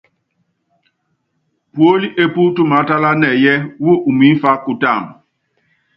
Puólí epú tumaátala nɛyɛ́, wú umimfá kutáama?